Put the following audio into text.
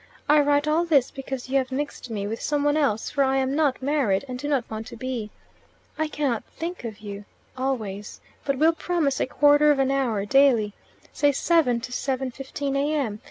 I write all this because you have mixed me with some one else, for I am not married, and do not want to be. I cannot think of you always, but will promise a quarter of an hour daily (say 7.00 7.15 A.M.)